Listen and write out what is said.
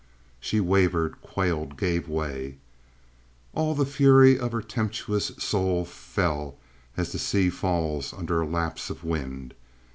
She wavered, quailed, gave way. All the fury of her tempestuous soul fell, as the sea falls under a lapse of wind.